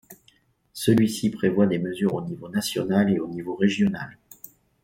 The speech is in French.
Celui-ci prévoit des mesures au niveau national et au niveau régional.